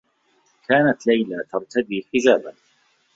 كانت ليلى ترتدي حجابا.